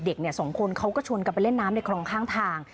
สองคนเขาก็ชวนกันไปเล่นน้ำในคลองข้างทาง